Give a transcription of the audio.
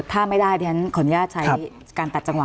ถ้าไม่ได้ดิฉันขออนุญาตใช้การตัดจังหว